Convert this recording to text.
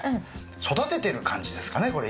育ててる感じですかね